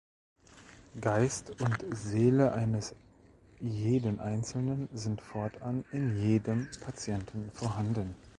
Geist und Seele eines jeden Einzeln sind fortan in jedem Patienten vorhanden.